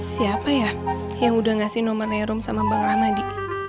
siapa ya yang udah ngasih nomor herum sama bang rahmadi